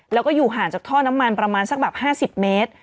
แล้วก็อยู่ห่างจากท่อน้ำมันประมาณสักแบบ๕๐เมตร